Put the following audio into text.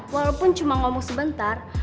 walaupun cuma ngomong sebentar